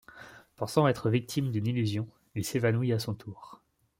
Pensant être victime d'une illusion, il s'évanouit à son tour.